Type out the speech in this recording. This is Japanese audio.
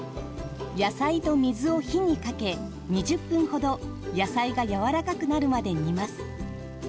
野菜と水を火にかけ２０分ほど野菜がやわらかくなるまで煮ます。